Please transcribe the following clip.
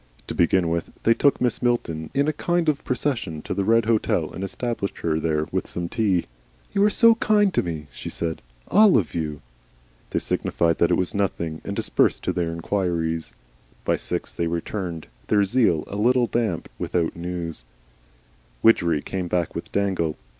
To begin with they took Mrs. Milton in a kind of procession to the Red Hotel and established her there with some tea. "You are so kind to me," she said. "All of you." They signified that it was nothing, and dispersed to their inquiries. By six they returned, their zeal a little damped, without news. Widgery came back with Dangle.